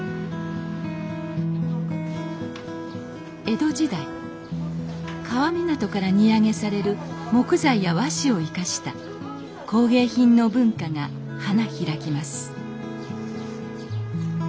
江戸時代川湊から荷揚げされる木材や和紙を生かした工芸品の文化が花開きます